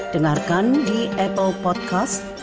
dengarkan di apple podcast